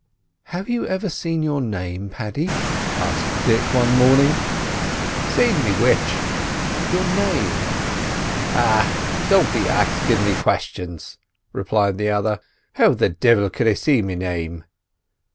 "Have you ever seen your name, Paddy?" asked Dick one morning. "Seen me which?" "Your name?" "Arrah, don't be axin' me questions," replied the other. "How the divil could I see me name?"